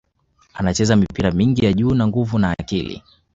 Anacheza mipira mingi ya juu na nguvu na akili